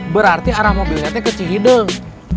berarti arah mobilnya ke cihidung